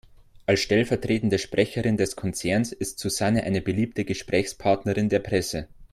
Als stellvertretende Sprecherin des Konzerns ist Susanne eine beliebte Gesprächspartnerin der Presse.